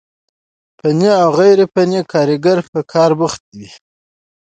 فني او غير فني کاريګر په کار بوخت وي،